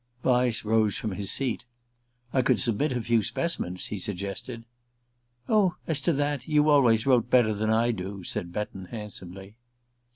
Vyse rose from his seat. "I could submit a few specimens," he suggested. "Oh, as to that you always wrote better than I do," said Betton handsomely.